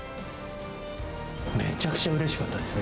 めちゃくちゃうれしかったですね。